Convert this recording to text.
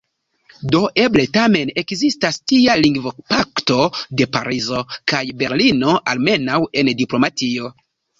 Do eble tamen ekzistas tia lingvopakto de Parizo kaj Berlino – almenaŭ en diplomatio.